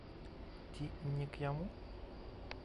Ці не к яму?